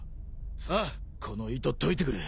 さあこの糸解いてくれ。